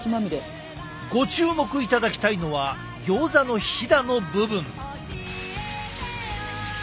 ご注目いただきたいのはギョーザのヒダの部分。